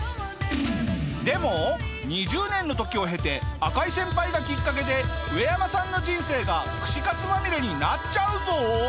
でも２０年の時を経て赤井先輩がきっかけでウエヤマさんの人生が串かつまみれになっちゃうぞ！